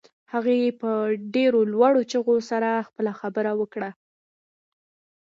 هغې په ډېرو لوړو چيغو سره خپله خبره وکړه.